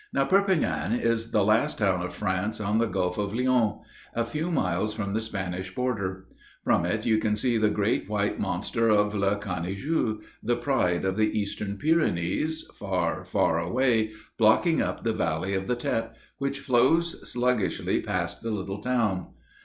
Now, Perpignan is the last town of France on the Gulf of Lions, a few miles from the Spanish border. From it you can see the great white monster of Le Canigou, the pride of the Eastern Pyrenees, far, far away, blocking up the valley of the Tet, which flows sluggishly past the little town.